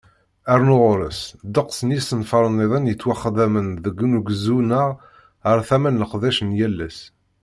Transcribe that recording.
Rnu ɣer-s, ddeqs n yisenfaren-nniḍen yettwaxdamen deg ugezdu-nneɣ ɣar tama n leqdic n yal ass.